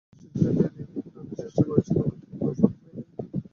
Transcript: নানা ছিদ্র দিয়া দেখিবার নানা চেষ্টা করিয়াছিলাম কিন্তু কোনো ফল পাই নাই।